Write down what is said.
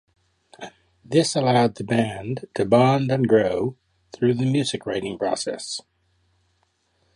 This allowed the band to bond and grow through the music writing process.